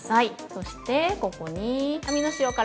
そして、ここにアミの塩辛。